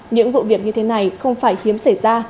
những vụ việc như thế này không phải hiếm xảy ra